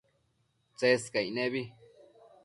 Tsescaic nebi